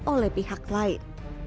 oleh pihak lain